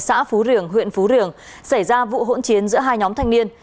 xã phú riềng huyện phú riềng xảy ra vụ hỗn chiến giữa hai nhóm thanh niên